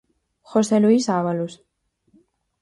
José Luís Ábalos.